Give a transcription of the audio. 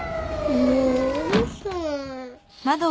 もううるさい。